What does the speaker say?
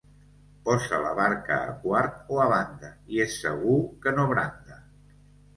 Posa la barca a quart o a banda i és segur que no branda.